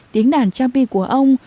tiếng đàn cha pi của ông